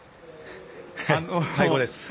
最高です。